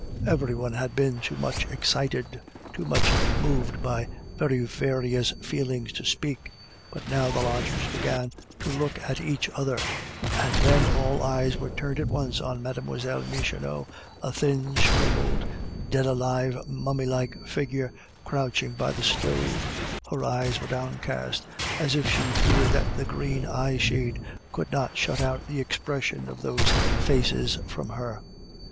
Every one had been too much excited, too much moved by very various feelings to speak. But now the lodgers began to look at each other, and then all eyes were turned at once on Mlle. Michonneau, a thin, shriveled, dead alive, mummy like figure, crouching by the stove; her eyes were downcast, as if she feared that the green eye shade could not shut out the expression of those faces from her.